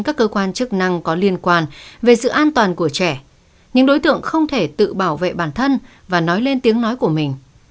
các cơ quan chức năng có liên quan về sự an toàn của trẻ những đối tượng không thể tự bảo vệ bản thân và nói lên tiếng nói của mình